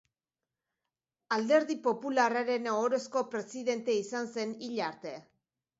Alderdi Popularraren ohorezko presidente izan zen hil arte.